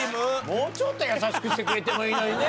もうちょっと優しくしてくれてもいいのにね。